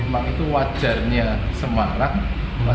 memang itu wajarnya semarang